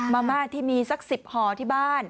มาม่าที่มีสัก๑๐ห่อที่บ้าน